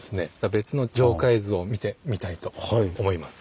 別の城下絵図を見てみたいと思います。